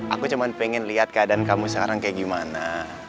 aku cuman pengen liat keadaan kamu sekarang kayak gimana